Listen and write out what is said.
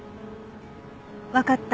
わかった。